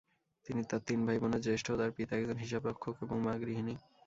তিনি তার তিন ভাইবোনের জ্যেষ্ঠ; তার পিতা একজন হিসাবরক্ষক এবং মা গৃহিণী।